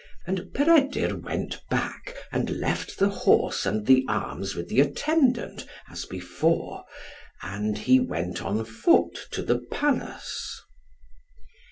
And Peredur went back, and left the horse and the arms with the attendant as before, and he went on foot to the Palace.